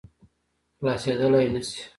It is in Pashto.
خلاصېدلای نه شي.